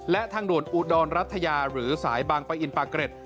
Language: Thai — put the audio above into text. และทางด่วนอุดรรัฐยาหรือสายบางปะอินปากเกร็ด